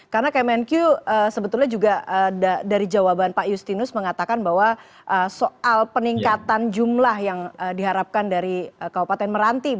karena kmnq sebetulnya juga dari jawaban pak justinus mengatakan bahwa soal peningkatan jumlah yang diharapkan dari kabupaten meranti